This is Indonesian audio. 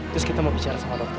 terus kita mau bicara sama roti